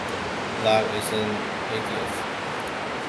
Lock is an atheist.